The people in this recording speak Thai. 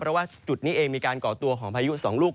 เพราะว่าจุดนี้เองมีการก่อตัวของพายุ๒ลูก